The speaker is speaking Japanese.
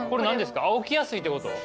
置きやすいってこと？